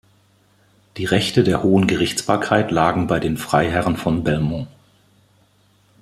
Die Rechte der hohen Gerichtsbarkeit lagen bei den Freiherren von Belmont.